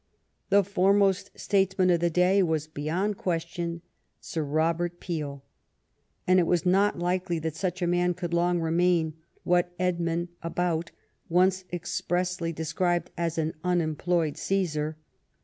The fore most statesman of the day was, beyond question. Sir Robert Peel, and it was not likely that such a man could long remain what Edmond About once ex pressly described as "an unemployed Caesar."